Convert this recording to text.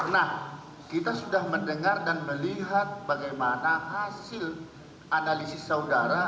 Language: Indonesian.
nah kita sudah mendengar dan melihat bagaimana hasil analisis saudara